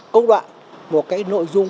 công đoạn một cái nội dung